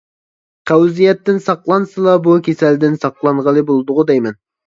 قەۋزىيەتتىن ساقلانسىلا بۇ كېسەلدىن ساقلانغىلى بۇلىدىغۇ دەيمەن.